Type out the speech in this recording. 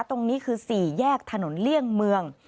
ตรงนี้คือ๔แยกถนนเลี่ยงเมือง